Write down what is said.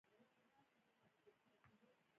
علامه حبيبي په ټولنه کي د پوهې د خپرېدو ملاتړ کاوه.